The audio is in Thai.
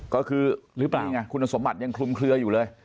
ก็คือคุณสมมัติยังคลุมเคลืออยู่เลย